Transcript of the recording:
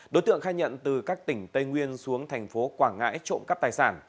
đối tượng khai nhận từ các tỉnh tây nguyên xuống thành phố quảng ngãi trộm cắp tài sản